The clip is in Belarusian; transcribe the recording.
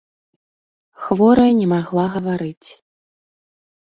Хворая не магла гаварыць.